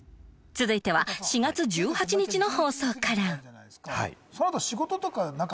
続いては４月１８日の放送から僕はですね